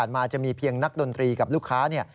มาจะมีเพียงนักดนตรีกับลูกค้าเนี่ย